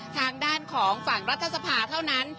ทางด้านของฝั่งรัฐสภาเท่านั้น